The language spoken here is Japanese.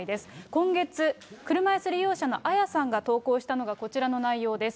今月、車いす利用者のアヤさんが投稿したのがこちらの内容です。